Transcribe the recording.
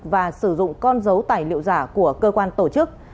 và sử dụng con dấu tài liệu giả của cơ quan tổ chức